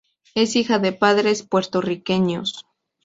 Es hija de padres puertorriqueños.